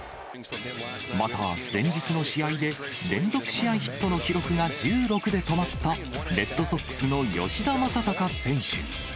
また前日の試合で連続試合ヒットの記録が１６で止まった、レッドソックスの吉田正尚選手。